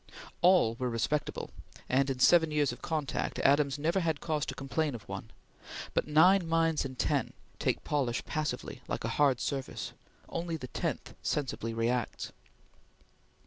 All were respectable, and in seven years of contact, Adams never had cause to complain of one; but nine minds in ten take polish passively, like a hard surface; only the tenth sensibly reacts.